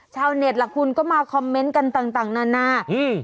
ชาวเน็ตล่ะคุณก็มาคอมเมนต์กันต่างต่างนานาอืม